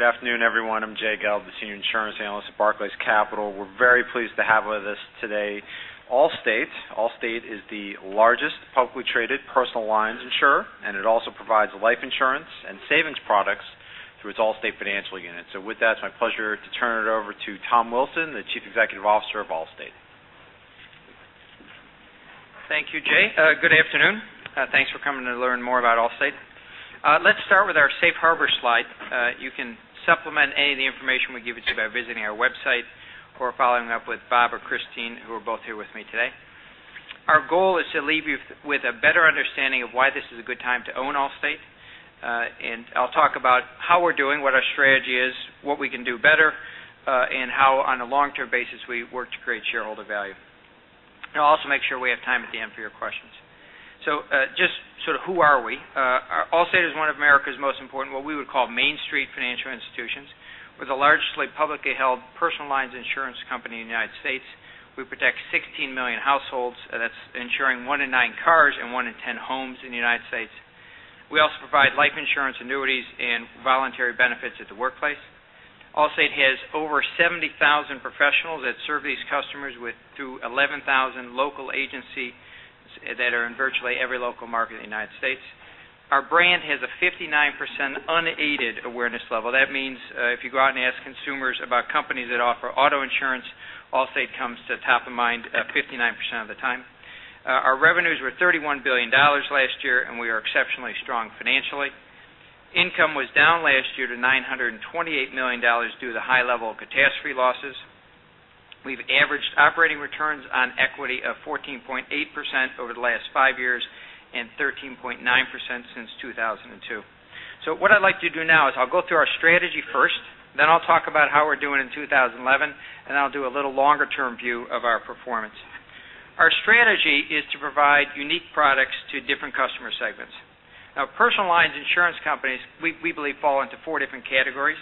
Good afternoon, everyone. I'm Jay Gelb, the Senior Insurance Analyst at Barclays Capital. We're very pleased to have with us today Allstate. Allstate is the largest publicly traded personal lines insurer, and it also provides life insurance and savings products through its Allstate Financial unit. With that, it's my pleasure to turn it over to Tom Wilson, the Chief Executive Officer of Allstate. Thank you, Jay. Good afternoon. Thanks for coming to learn more about Allstate. Let's start with our safe harbor slide. You can supplement any of the information we give you today by visiting our website or following up with Bob or Christine, who are both here with me today. Our goal is to leave you with a better understanding of why this is a good time to own Allstate. I'll talk about how we're doing, what our strategy is, what we can do better, and how on a long-term basis we work to create shareholder value. I'll also make sure we have time at the end for your questions. Just sort of who are we? Allstate is one of America's most important, what we would call main street financial institutions. We're the largest publicly held personal lines insurance company in the U.S. We protect 16 million households. That's ensuring one in nine cars and one in 10 homes in the U.S. We also provide life insurance annuities and voluntary benefits at the workplace. Allstate has over 70,000 professionals that serve these customers through 11,000 local agencies that are in virtually every local market in the U.S. Our brand has a 59% unaided awareness level. That means if you go out and ask consumers about companies that offer auto insurance, Allstate comes to top of mind 59% of the time. Our revenues were $31 billion last year, and we are exceptionally strong financially. Income was down last year to $928 million due to the high level of catastrophe losses. We've averaged operating returns on equity of 14.8% over the last five years and 13.9% since 2002. What I'd like to do now is I'll go through our strategy first, then I'll talk about how we're doing in 2011, and I'll do a little longer-term view of our performance. Our strategy is to provide unique products to different customer segments. Personal lines insurance companies, we believe fall into four different categories,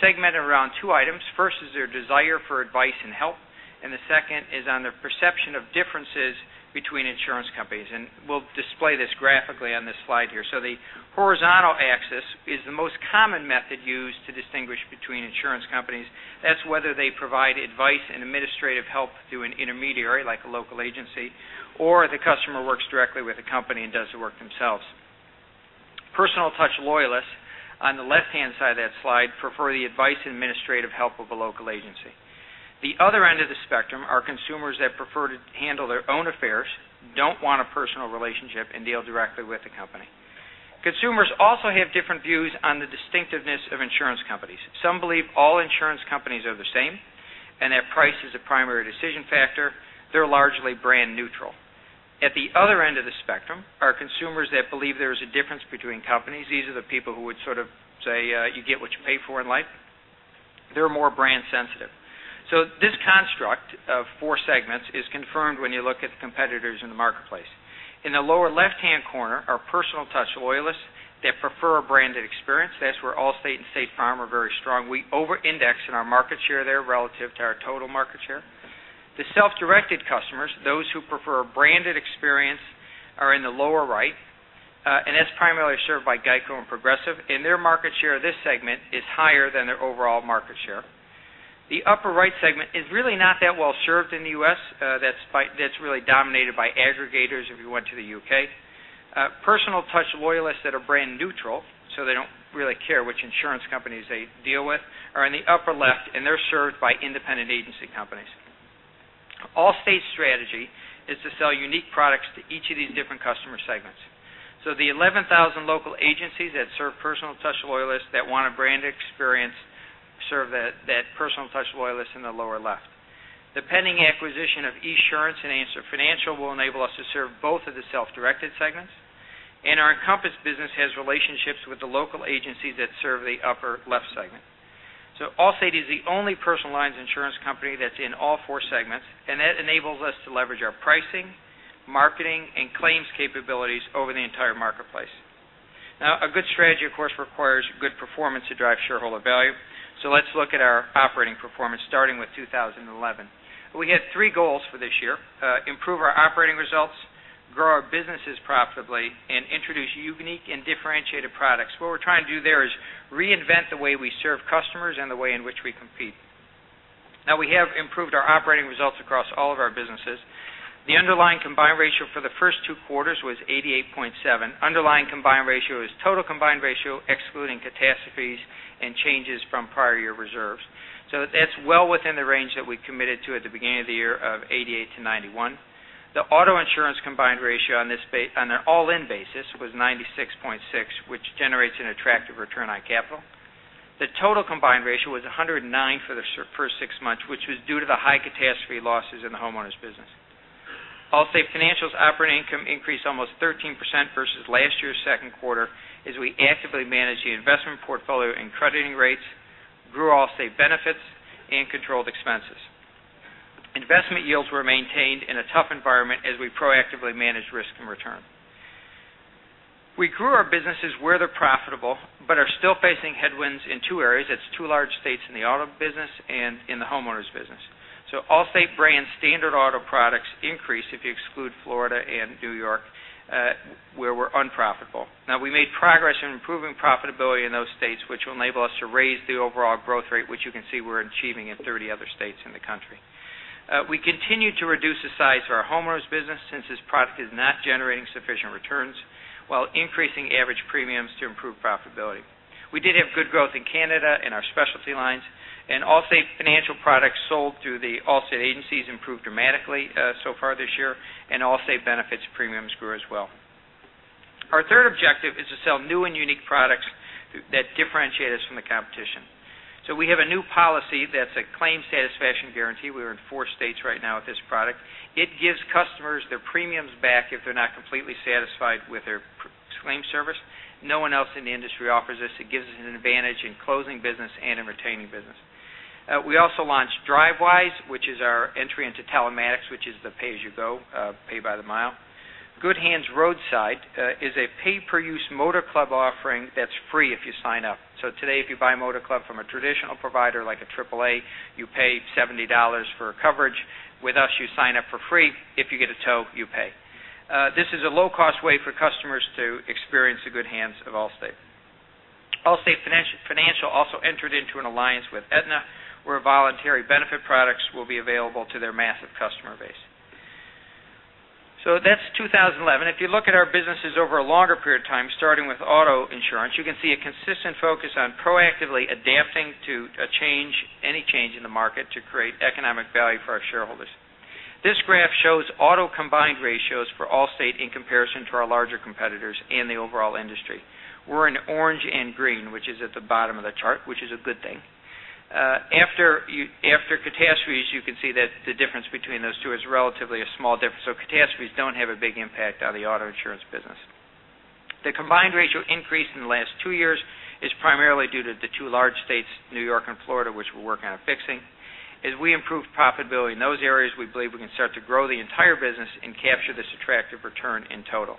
segmented around two items. First is their desire for advice and help, and the second is on their perception of differences between insurance companies. We'll display this graphically on this slide here. The horizontal axis is the most common method used to distinguish between insurance companies. That's whether they provide advice and administrative help through an intermediary, like a local agency, or the customer works directly with the company and does the work themselves. Personal Touch Loyalists, on the left-hand side of that slide, prefer the advice and administrative help of a local agency. The other end of the spectrum are consumers that prefer to handle their own affairs, don't want a personal relationship, and deal directly with the company. Consumers also have different views on the distinctiveness of insurance companies. Some believe all insurance companies are the same and that price is a primary decision factor. They're largely brand neutral. At the other end of the spectrum are consumers that believe there is a difference between companies. These are the people who would sort of say, you get what you pay for in life. They're more brand sensitive. This construct of 4 segments is confirmed when you look at the competitors in the marketplace. In the lower left-hand corner are Personal Touch Loyalists that prefer a branded experience. That's where Allstate and State Farm are very strong. We over-index in our market share there relative to our total market share. The self-directed customers, those who prefer a branded experience, are in the lower right. And that's primarily served by GEICO and Progressive, and their market share of this segment is higher than their overall market share. The upper right segment is really not that well-served in the U.S. That's really dominated by aggregators if you went to the U.K. Personal Touch Loyalists that are brand neutral, so they don't really care which insurance companies they deal with, are in the upper left, and they're served by independent agency companies. Allstate's strategy is to sell unique products to each of these different customer segments. The 11,000 local agencies that serve Personal Touch Loyalists that want a branded experience serve that Personal Touch Loyalist in the lower left. The pending acquisition of Esurance and Answer Financial will enable us to serve both of the self-directed segments. And our Encompass business has relationships with the local agencies that serve the upper left segment. Allstate is the only personal lines insurance company that's in all 4 segments, and that enables us to leverage our pricing, marketing, and claims capabilities over the entire marketplace. A good strategy, of course, requires good performance to drive shareholder value. Let's look at our operating performance, starting with 2011. We had three goals for this year. Improve our operating results, grow our businesses profitably, and introduce unique and differentiated products. What we're trying to do there is reinvent the way we serve customers and the way in which we compete. We have improved our operating results across all of our businesses. The underlying combined ratio for the first two quarters was 88.7. Underlying combined ratio is total combined ratio excluding catastrophes and changes from prior year reserves. That's well within the range that we committed to at the beginning of the year of 88 to 91. The auto insurance combined ratio on an all-in basis was 96.6, which generates an attractive return on capital. The total combined ratio was 109 for the first six months, which was due to the high catastrophe losses in the homeowners business. Allstate Financial's operating income increased almost 13% versus last year's second quarter as we actively managed the investment portfolio and crediting rates, grew Allstate Benefits, and controlled expenses. Investment yields were maintained in a tough environment as we proactively managed risk and return. We grew our businesses where they're profitable but are still facing headwinds in two areas. That's two large states in the auto business and in the homeowners business. Allstate standard auto products increased if you exclude Florida and N.Y., where we're unprofitable. We made progress in improving profitability in those states, which will enable us to raise the overall growth rate, which you can see we're achieving in 30 other states in the country. We continue to reduce the size of our homeowners business since this product is not generating sufficient returns while increasing average premiums to improve profitability. We did have good growth in Canada in our specialty lines, and Allstate Financial products sold through the Allstate agencies improved dramatically so far this year, and Allstate Benefits premiums grew as well. Our third objective is to sell new and unique products that differentiate us from the competition. We have a new policy that's a Claim Satisfaction Guarantee. We are in four states right now with this product. It gives customers their premiums back if they're not completely satisfied with their claim service. No one else in the industry offers this. It gives us an advantage in closing business and in retaining business. We also launched Drivewise, which is our entry into telematics, which is the pay-as-you-go, pay-by-the-mile. Good Hands Roadside is a pay-per-use motor club offering that's free if you sign up. Today, if you buy a motor club from a traditional provider like AAA, you pay $70 for coverage. With us, you sign up for free. If you get a tow, you pay. This is a low-cost way for customers to experience the Good Hands of Allstate. Allstate Financial also entered into an alliance with Aetna, where voluntary benefit products will be available to their massive customer base. That's 2011. If you look at our businesses over a longer period of time, starting with auto insurance, you can see a consistent focus on proactively adapting to any change in the market to create economic value for our shareholders. This graph shows auto combined ratios for Allstate in comparison to our larger competitors in the overall industry. We're in orange and green, which is at the bottom of the chart, which is a good thing. After catastrophes, you can see that the difference between those two is relatively a small difference. Catastrophes don't have a big impact on the auto insurance business. The combined ratio increase in the last two years is primarily due to the two large states, N.Y. and Florida, which we're working on fixing. As we improve profitability in those areas, we believe we can start to grow the entire business and capture this attractive return in total.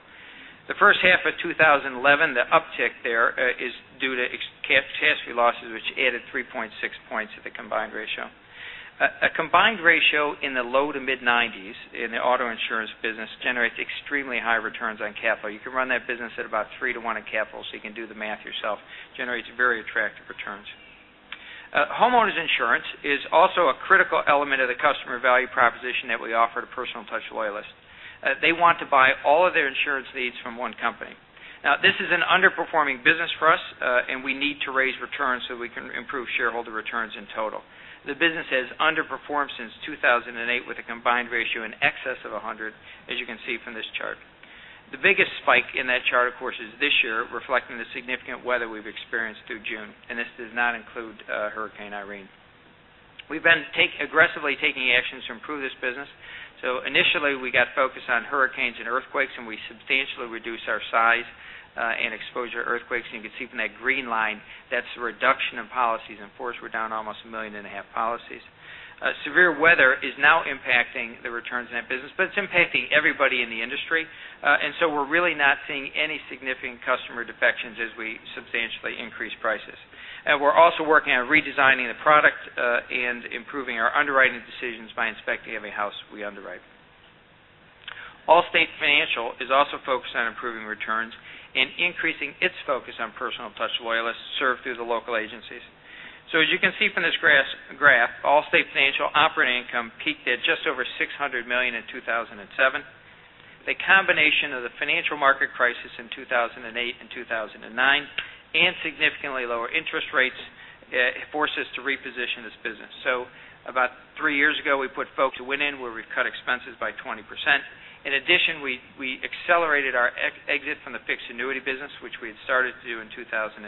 The first half of 2011, the uptick there is due to catastrophe losses, which added 3.6 points to the combined ratio. A combined ratio in the low to mid-90s in the auto insurance business generates extremely high returns on capital. You can run that business at about 3 to 1 in capital, you can do the math yourself. Generates very attractive returns. Homeowners insurance is also a critical element of the customer value proposition that we offer to Personal Touch Loyalists. They want to buy all of their insurance needs from one company. This is an underperforming business for us, and we need to raise returns we can improve shareholder returns in total. The business has underperformed since 2008 with a combined ratio in excess of 100, as you can see from this chart. The biggest spike in that chart, of course, is this year, reflecting the significant weather we've experienced through June, and this does not include Hurricane Irene. We've been aggressively taking actions to improve this business. Initially, we got focused on hurricanes and earthquakes, and we substantially reduced our size and exposure to earthquakes. You can see from that green line, that's the reduction in policies. In force, we're down almost 1.5 million policies. Severe weather is now impacting the returns in that business, but it's impacting everybody in the industry. We're really not seeing any significant customer defections as we substantially increase prices. We're also working on redesigning the product and improving our underwriting decisions by inspecting every house we underwrite. Allstate Financial is also focused on improving returns and increasing its focus on Personal Touch Loyalists served through the local agencies. As you can see from this graph, Allstate Financial operating income peaked at just over $600 million in 2007. The combination of the financial market crisis in 2008 and 2009 and significantly lower interest rates forced us to reposition this business. About three years ago, we put folks who went in where we cut expenses by 20%. In addition, we accelerated our exit from the fixed annuity business, which we had started to do in 2007.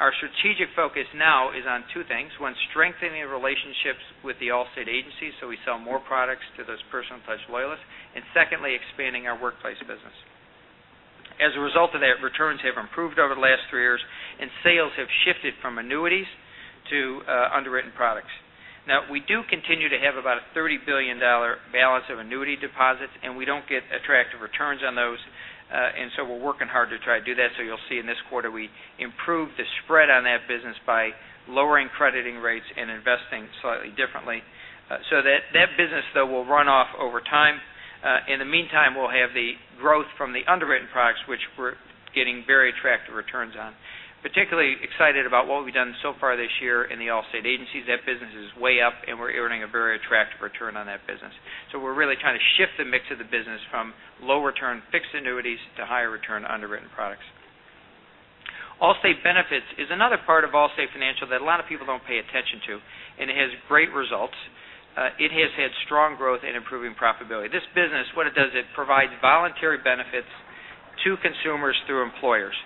Our strategic focus now is on two things. One, strengthening relationships with the Allstate agencies so we sell more products to those Personal Touch Loyalists, and secondly, expanding our workplace business. As a result of that, returns have improved over the last three years, and sales have shifted from annuities to underwritten products. Now, we do continue to have about a $30 billion balance of annuity deposits, and we don't get attractive returns on those, and so we're working hard to try to do that. You'll see in this quarter, we improved the spread on that business by lowering crediting rates and investing slightly differently. That business, though, will run off over time. In the meantime, we'll have the growth from the underwritten products, which we're getting very attractive returns on. Particularly excited about what we've done so far this year in the Allstate agencies. That business is way up, and we're earning a very attractive return on that business. We're really trying to shift the mix of the business from low return fixed annuities to higher return underwritten products. Allstate Benefits is another part of Allstate Financial that a lot of people don't pay attention to, and it has great results. It has had strong growth in improving profitability. This business, what it does, it provides voluntary benefits to consumers through employers.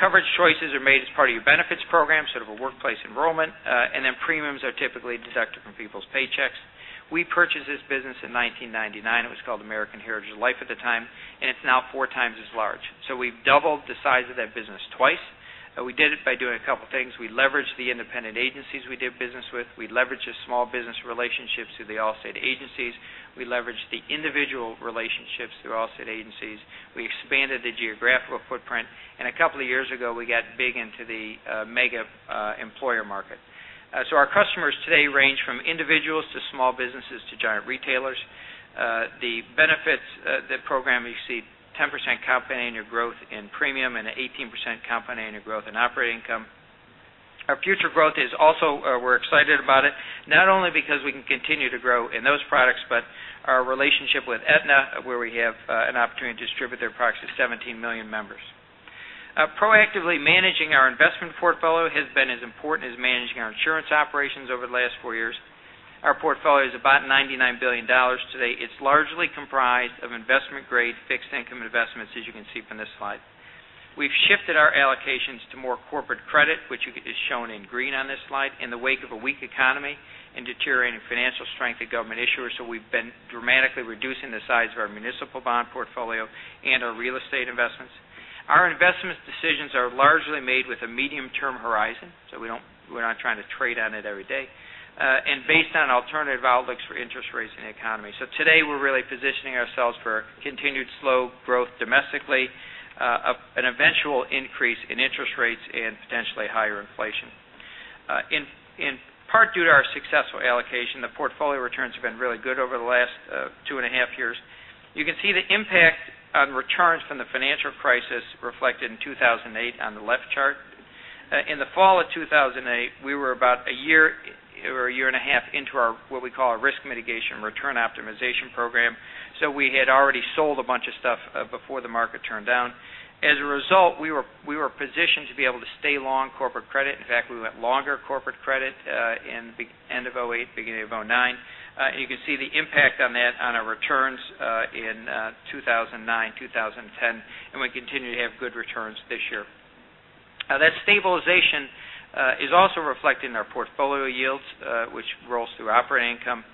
Coverage choices are made as part of your benefits program, sort of a workplace enrollment, and then premiums are typically deducted from people's paychecks. We purchased this business in 1999. It was called American Heritage Life at the time, and it's now four times as large. We've doubled the size of that business twice. We did it by doing a couple of things. We leveraged the independent agencies we did business with. We leveraged the small business relationships through the Allstate agencies. We leveraged the individual relationships through Allstate agencies. We expanded the geographical footprint. A couple of years ago, we got big into the mega employer market. Our customers today range from individuals to small businesses to giant retailers. The benefits of the program, you see 10% compounded annual growth in premium and an 18% compounded annual growth in operating income. Our future growth, we're excited about it, not only because we can continue to grow in those products, but our relationship with Aetna, where we have an opportunity to distribute their products to 17 million members. Proactively managing our investment portfolio has been as important as managing our insurance operations over the last four years. Our portfolio is about $99 billion today. It's largely comprised of investment-grade fixed income investments, as you can see from this slide. We've shifted our allocations to more corporate credit, which is shown in green on this slide, in the wake of a weak economy and deteriorating financial strength of government issuers. We've been dramatically reducing the size of our municipal bond portfolio and our real estate investments. Our investment decisions are largely made with a medium-term horizon, so we're not trying to trade on it every day, and based on alternative outlooks for interest rates and the economy. Today, we're really positioning ourselves for continued slow growth domestically, an eventual increase in interest rates, and potentially higher inflation. In part due to our successful allocation, the portfolio returns have been really good over the last two and a half years. You can see the impact on returns from the financial crisis reflected in 2008 on the left chart. In the fall of 2008, we were about a year or a year and a half into what we call our Risk Mitigation Return Optimization program. We had already sold a bunch of stuff before the market turned down. As a result, we were positioned to be able to stay long corporate credit. In fact, we went longer corporate credit in the end of 2008, beginning of 2009. You can see the impact on that on our returns in 2009, 2010, and we continue to have good returns this year. That stabilization is also reflected in our portfolio yields which rolls through operating income.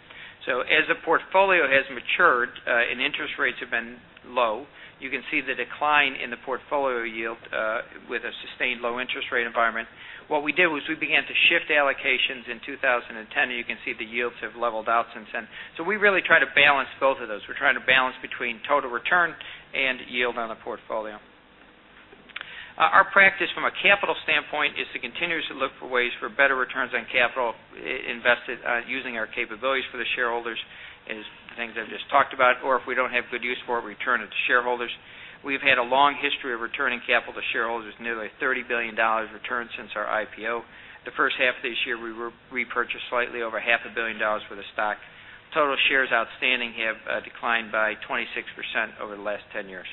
As the portfolio has matured and interest rates have been low, you can see the decline in the portfolio yield with a sustained low interest rate environment. What we did was we began to shift allocations in 2010, you can see the yields have leveled out since then. We really try to balance both of those. We're trying to balance between total return and yield on the portfolio. Our practice from a capital standpoint is to continuously look for ways for better returns on capital invested using our capabilities for the shareholders as the things I've just talked about, or if we don't have good use for it, return it to shareholders. We've had a long history of returning capital to shareholders, nearly $30 billion returned since our IPO. The first half of this year, we repurchased slightly over half a billion dollars worth of stock. Total shares outstanding have declined by 26% over the last 10 years.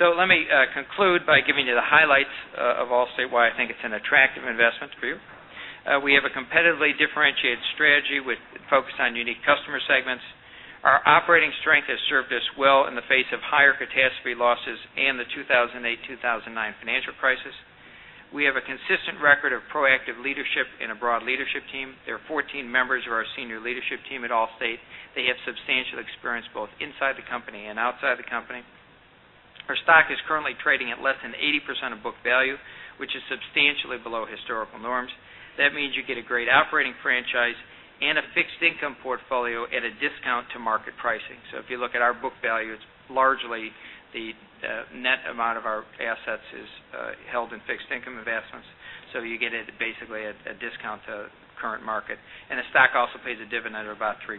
Let me conclude by giving you the highlights of Allstate, why I think it's an attractive investment for you. We have a competitively differentiated strategy with focus on unique customer segments. Our operating strength has served us well in the face of higher catastrophe losses and the 2008-2009 financial crisis. We have a consistent record of proactive leadership and a broad leadership team. There are 14 members of our senior leadership team at Allstate. They have substantial experience both inside the company and outside the company. Our stock is currently trading at less than 80% of book value, which is substantially below historical norms. That means you get a great operating franchise and a fixed income portfolio at a discount to market pricing. If you look at our book value, it's largely the net amount of our assets is held in fixed income investments. You get it basically at a discount to current market. The stock also pays a dividend of about 3%.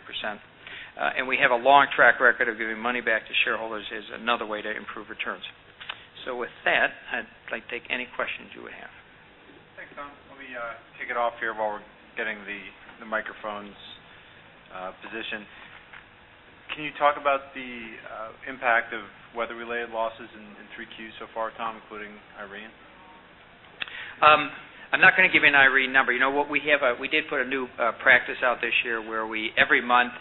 We have a long track record of giving money back to shareholders as another way to improve returns. With that, I'd like to take any questions you would have. Thanks, Tom. Let me kick it off here while we're getting the microphones positioned. Can you talk about the impact of weather related losses in 3Q so far, Tom, including Irene? I'm not going to give you an Irene number. We did put a new practice out this year where every month,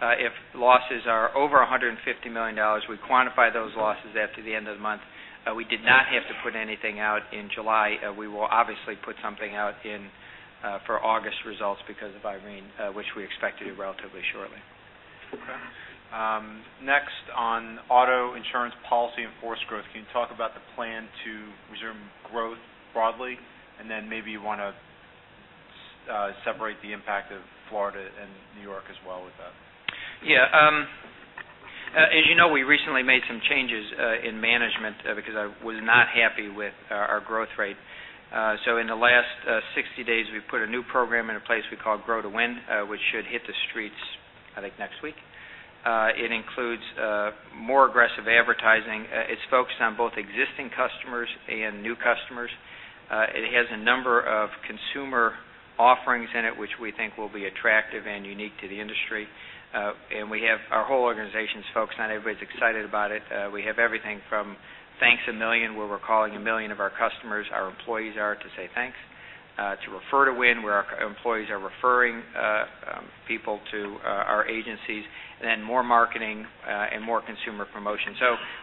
if losses are over $150 million, we quantify those losses after the end of the month. We did not have to put anything out in July. We will obviously put something out for August results because of Irene, which we expect to do relatively shortly. Okay. Next on auto insurance policy in force growth, can you talk about the plan to resume growth broadly? Maybe you want to separate the impact of Florida and New York as well with that. Yeah. As you know, we recently made some changes in management because I was not happy with our growth rate. In the last 60 days, we've put a new program into place we call Grow to Win which should hit the streets, I think, next week. It includes more aggressive advertising. It's focused on both existing customers and new customers. It has a number of consumer offerings in it, which we think will be attractive and unique to the industry. We have our whole organization's focused on it. Everybody's excited about it. We have everything from Thanks a Million, where we're calling a million of our customers, our employees are, to say thanks, to Refer to Win, where our employees are referring people to our agencies, more marketing and more consumer promotion.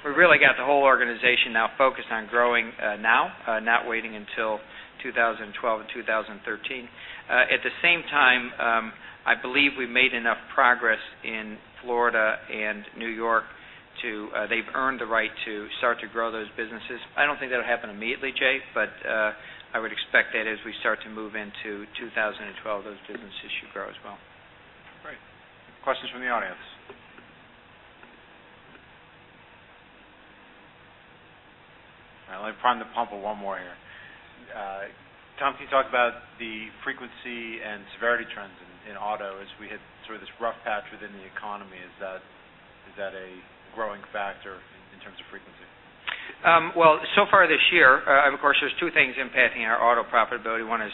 We've really got the whole organization now focused on growing now, not waiting until 2012 or 2013. At the same time, I believe we've made enough progress in Florida and New York. They've earned the right to start to grow those businesses. I don't think that'll happen immediately, Jay, but I would expect that as we start to move into 2012, those businesses should grow as well. Great. Questions from the audience? I'd like to prime the pump with one more here. Tom, can you talk about the frequency and severity trends in auto as we hit sort of this rough patch within the economy? Is that a growing factor in terms of frequency? So far this year, of course, there's two things impacting our auto profitability. One is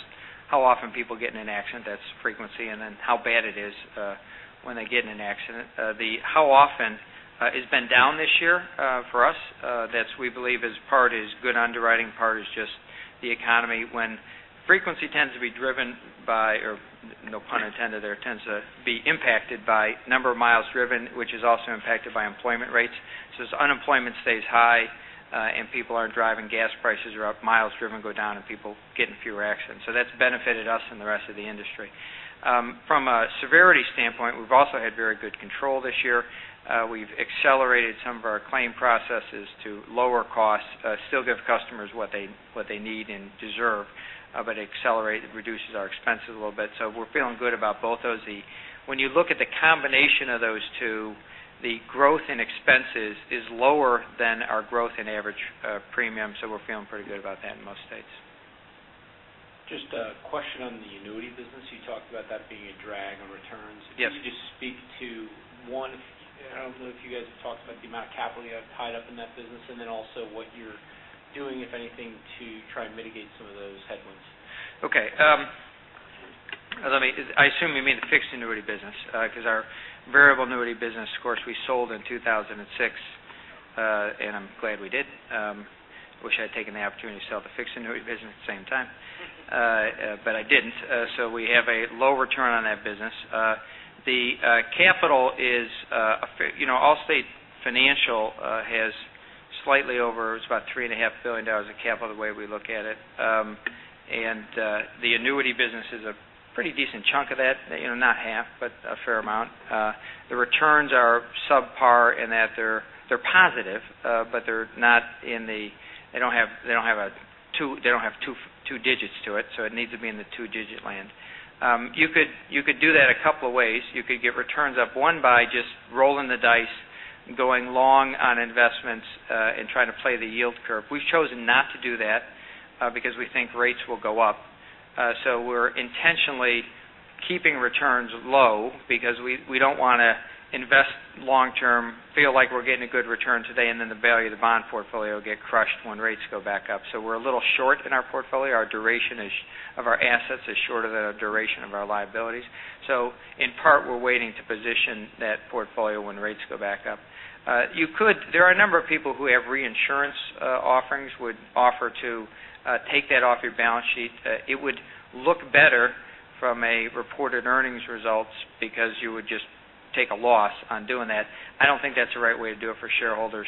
how often people get in an accident, that's frequency, and then how bad it is when they get in an accident. The how often has been down this year for us. That, we believe, is part is good underwriting, part is just the economy. Frequency tends to be driven by, or no pun intended there, tends to be impacted by number of miles driven, which is also impacted by employment rates. As unemployment stays high and people aren't driving, gas prices are up, miles driven go down, and people get in fewer accidents. That's benefited us and the rest of the industry. From a severity standpoint, we've also had very good control this year. We've accelerated some of our claim processes to lower costs, still give customers what they need and deserve. Accelerated reduces our expenses a little bit, so we're feeling good about both those. When you look at the combination of those two, the growth in expenses is lower than our growth in average premium. We're feeling pretty good about that in most states. Just a question on the annuity business. You talked about that being a drag on returns. Yes. Can you just speak to, one, I don't know if you guys have talked about the amount of capital you have tied up in that business, and then also what you're doing, if anything, to try and mitigate some of those headwinds? Okay. I assume you mean the fixed annuity business because our variable annuity business, of course, we sold in 2006. I'm glad we did. Wish I'd taken the opportunity to sell the fixed annuity business at the same time. I didn't, so we have a low return on that business. Allstate Financial has slightly over, it's about $3.5 billion of capital the way we look at it. The annuity business is a pretty decent chunk of that, not half, but a fair amount. The returns are subpar in that they're positive, but they don't have two digits to it, so it needs to be in the two-digit land. You could do that a couple of ways. You could get returns up, one, by just rolling the dice, going long on investments, and trying to play the yield curve. We've chosen not to do that because we think rates will go up. We're intentionally keeping returns low because we don't want to invest long term, feel like we're getting a good return today, then the value of the bond portfolio will get crushed when rates go back up. We're a little short in our portfolio. Our duration of our assets is shorter than our duration of our liabilities. In part, we're waiting to position that portfolio when rates go back up. There are a number of people who have reinsurance offerings, would offer to take that off your balance sheet. It would look better from a reported earnings results because you would just take a loss on doing that. I don't think that's the right way to do it for shareholders.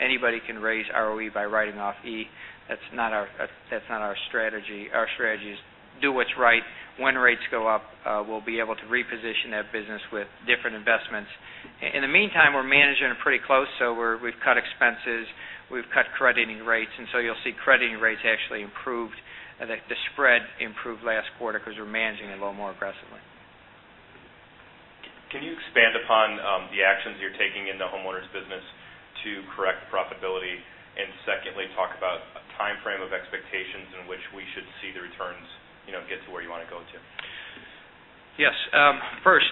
Anybody can raise ROE by writing off E. That's not our strategy. Our strategy is do what's right. When rates go up, we'll be able to reposition that business with different investments. In the meantime, we're managing it pretty close, we've cut expenses, we've cut crediting rates, you'll see crediting rates actually improved. The spread improved last quarter because we're managing it a little more aggressively. Can you expand upon the actions you're taking in the homeowners business to correct profitability? Secondly, talk about a timeframe of expectations in which we should see the returns get to where you want to go to. Yes. First,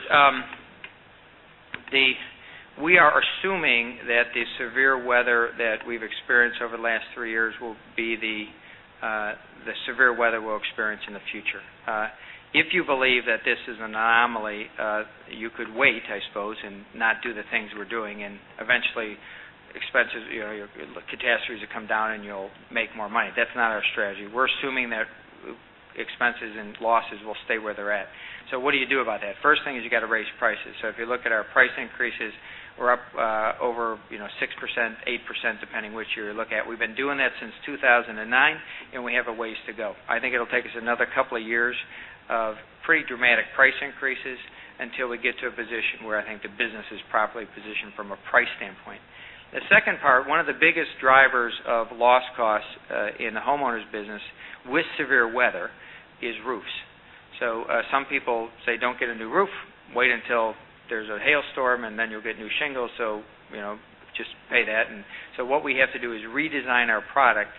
we are assuming that the severe weather that we've experienced over the last three years will be the severe weather we'll experience in the future. If you believe that this is an anomaly you could wait, I suppose, and not do the things we're doing, and eventually expenses, your catastrophes will come down, and you'll make more money. That's not our strategy. We're assuming that expenses and losses will stay where they're at. What do you do about that? First thing is you got to raise prices. If you look at our price increases, we're up over 6%, 8%, depending which year you look at. We've been doing that since 2009, and we have a ways to go. I think it'll take us another couple of years of pretty dramatic price increases until we get to a position where I think the business is properly positioned from a price standpoint. The second part, one of the biggest drivers of loss costs in the homeowners business with severe weather is roofs. Some people say, "Don't get a new roof. Wait until there's a hailstorm, and then you'll get new shingles, just pay that." What we have to do is redesign our product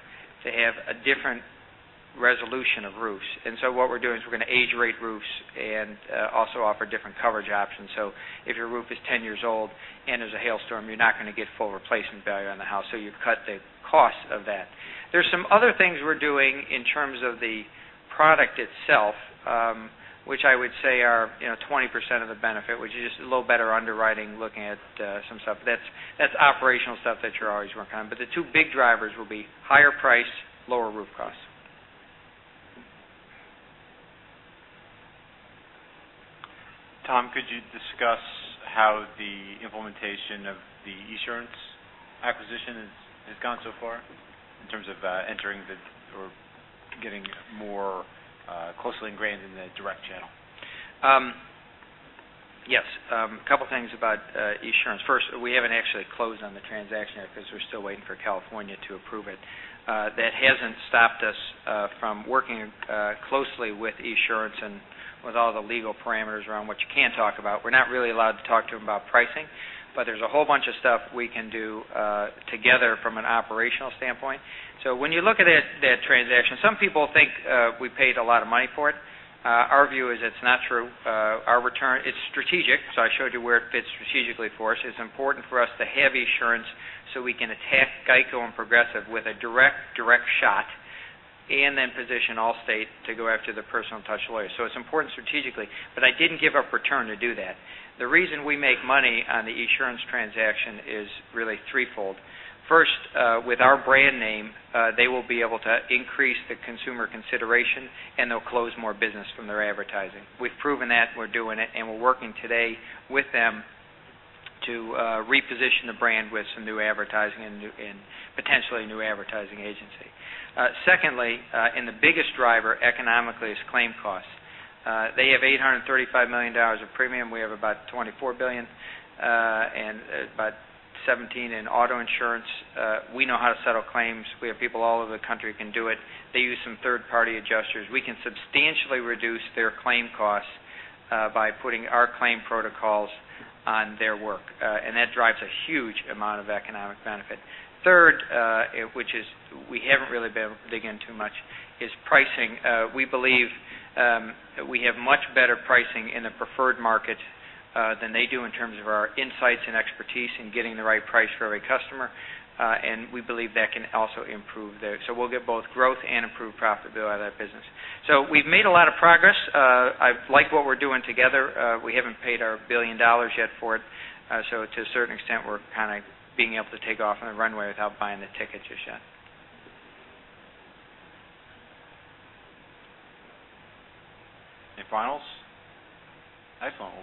to have a different resolution of roofs. What we're doing is we're going to age rate roofs and also offer different coverage options. If your roof is 10 years old and there's a hailstorm, you're not going to get full replacement value on the house, you've cut the cost of that. There's some other things we're doing in terms of the product itself, which I would say are 20% of the benefit, which is just a little better underwriting, looking at some stuff. That's operational stuff that you're always working on. The two big drivers will be higher price, lower roof cost. Tom, could you discuss how the implementation of the Esurance acquisition has gone so far in terms of entering the, or getting more closely ingrained in the direct channel? Yes. A couple of things about Esurance. First, we haven't actually closed on the transaction yet because we're still waiting for California to approve it. That hasn't stopped us closely with Esurance and with all the legal parameters around what you can talk about. We're not really allowed to talk to them about pricing, but there's a whole bunch of stuff we can do together from an operational standpoint. When you look at that transaction, some people think we paid a lot of money for it. Our view is it's not true. Our return, it's strategic. I showed you where it fits strategically for us. It's important for us to have Esurance so we can attack GEICO and Progressive with a direct shot and then position Allstate to go after the Personal Touch Loyalist. It's important strategically, but I didn't give up return to do that. The reason we make money on the Esurance transaction is really threefold. First, with our brand name, they will be able to increase the consumer consideration, and they'll close more business from their advertising. We've proven that we're doing it, and we're working today with them to reposition the brand with some new advertising and potentially a new advertising agency. Secondly, the biggest driver economically is claim costs. They have $835 million of premium. We have about $24 billion, and about $17 billion in auto insurance. We know how to settle claims. We have people all over the country who can do it. They use some third-party adjusters. We can substantially reduce their claim costs by putting our claim protocols on their work. That drives a huge amount of economic benefit. Third, which is we haven't really been able to dig into much, is pricing. We believe we have much better pricing in the preferred market than they do in terms of our insights and expertise in getting the right price for every customer. We believe that can also improve there. We've made a lot of progress. I like what we're doing together. We haven't paid our $1 billion yet for it. To a certain extent, we're kind of being able to take off on the runway without buying the tickets just yet. Any finals?